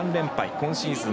今シーズン